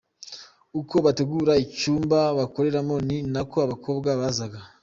Uko bateguraga icyumba bakoreramo ni nako abakobwa bazaga.